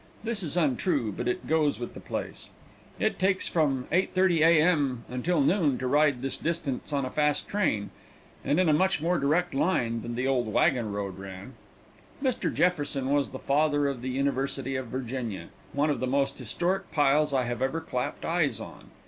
This is untrue, but it goes with the place. It takes from 8:30 A. M. until noon to ride this distance on a fast train, and in a much more direct line than the old wagon road ran. Mr. Jefferson was the father of the University of Virginia, one of the most historic piles I have ever clapped eyes on.